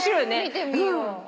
見てみよう。